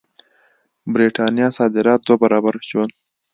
برېټانیا صادرات دوه برابره شول.